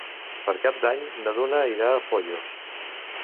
Per Cap d'Any na Duna irà a Foios.